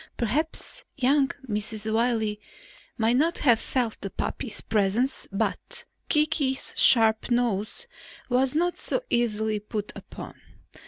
Perhaps young Mrs. Wiley might not have felt the puppy's presence but Kiki's sharp nose was not so easily put upon.